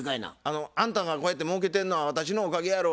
「あんたがこうやってもうけてんのは私のおかげやろ」